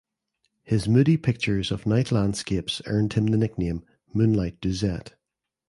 His moody pictures of night landscapes earned him the nickname "Moonlight Douzette".